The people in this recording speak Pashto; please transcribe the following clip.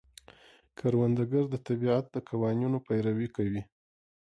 کروندګر د طبیعت د قوانینو پیروي کوي